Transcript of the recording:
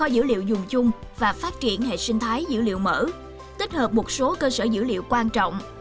điều hành hệ sinh thái dữ liệu mở tích hợp một số cơ sở dữ liệu quan trọng